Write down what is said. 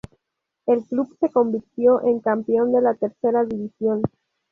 El club se convirtió en campeón de la Tercera División.